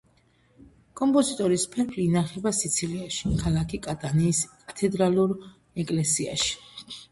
კომპოზიტორის ფერფლი ინახება სიცილიაში, ქალაქი კატანიის კათედრალურ ეკლესიაში.